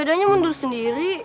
bedanya mundur sendiri